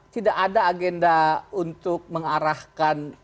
tidak ada agenda untuk mengarahkan